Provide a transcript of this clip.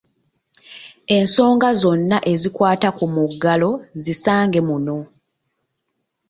Ensonga zonna ezikwata ku muggalo zisange muno.